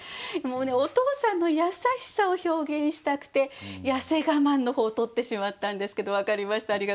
もうねお父さんの優しさを表現したくて「痩せがまん」の方をとってしまったんですけど分かりました。